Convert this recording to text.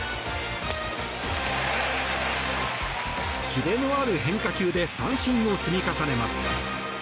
キレのある変化球で三振を積み重ねます。